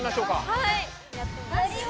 はい。